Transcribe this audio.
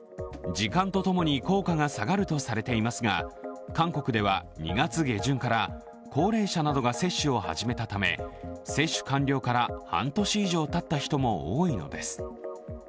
時間とともに、効果が下がるとされていますが、韓国では２月下旬から高齢者などが接種を始めたため、接種完了から半年以上たった人も多いのです。